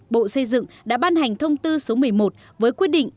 bộ xây dựng đã ban hành thông tư số một mươi một với quyết định